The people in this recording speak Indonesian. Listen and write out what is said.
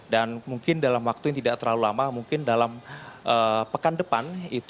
dan mungkin dalam waktu yang tidak terlalu lama mungkin dalam pekan depan